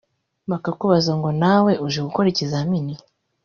bakakubaza ngo ‘nawe uje gukora ikizamini